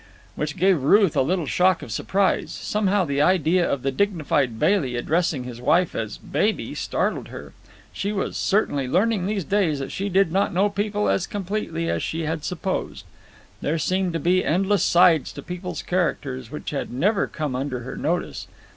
Which gave Ruth a little shock of surprise. Somehow the idea of the dignified Bailey addressing his wife as baby startled her. She was certainly learning these days that she did not know people as completely as she had supposed. There seemed to be endless sides to people's characters which had never come under her notice.